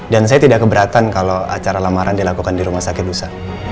dan saya tidak keberatan kalau acara lamaran dilakukan di rumah sakit lusa